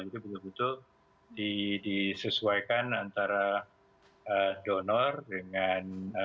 jadi betul betul disesuaikan antara donor dengan obat